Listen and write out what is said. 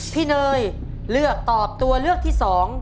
เนยเลือกตอบตัวเลือกที่๒